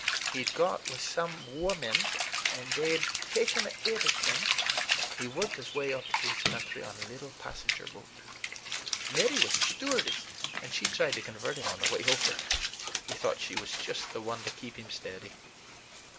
He'd got with some women, and they'd taken everything. He worked his way to this country on a little passenger boat. Mary was a stewardess, and she tried to convert him on the way over. He thought she was just the one to keep him steady.